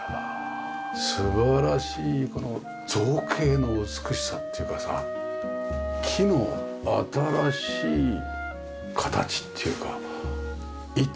素晴らしいこの造形の美しさっていうかさ木の新しい形っていうか板柱。